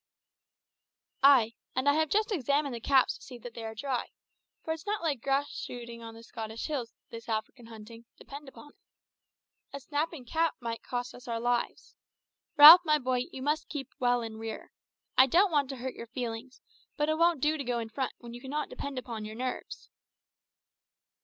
"Ay, and I have just examined the caps to see that they are dry; for it's not like grouse shooting on the Scottish hills this African hunting, depend upon it. A snapping cap might cost us our lives, Ralph, my boy, you must keep well in rear. I don't want to hurt your feelings, but it won't do to go in front when you cannot depend on your nerves."